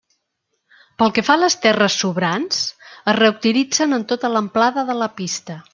Pel que fa a les terres sobrants, es reutilitzen en tota l'amplada de la pista.